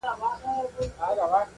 ځوان به ویښ وو هغه آش هغه کاسه وه -